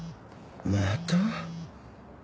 また？